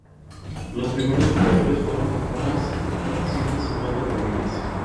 Los primeros pobladores fueron unas ciento cincuenta familias.